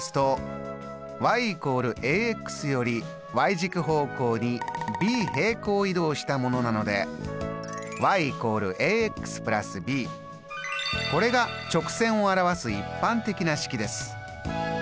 軸方向にｂ平行移動したものなのでこれが直線を表す一般的な式です。